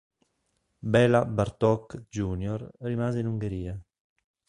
Béla Bartók Jr. rimase in Ungheria.